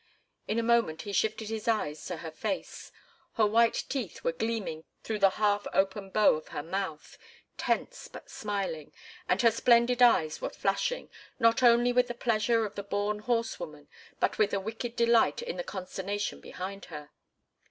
In a moment he shifted his eyes to her face. Her white teeth were gleaming through the half open bow of her mouth, tense but smiling, and her splendid eyes were flashing, not only with the pleasure of the born horsewoman, but with a wicked delight in the consternation behind her.